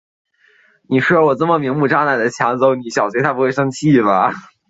一个寄存器传输级的描述通常会通过逻辑综合工具转换成逻辑门级电路连线网表的描述。